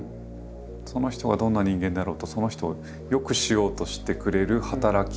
その人がどんな人間だろうとその人を良くしようとしてくれる働き。